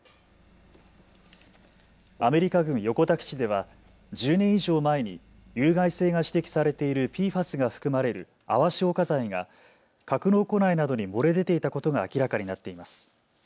アメリカ軍横田基地では１０年以上前に有害性が指摘されているＰＦＡＳが含まれる泡消火剤が格納庫内などに漏れ出ていたことが明らかになっています。